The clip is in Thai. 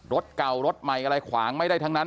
รถเก่ารถใหม่อะไรขวางไม่ได้ทั้งนั้น